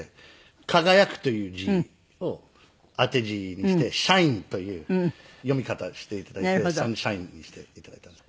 輝くという字を当て字にして「シャイン」という読み方にして頂いて「三輝」にして頂いたんです。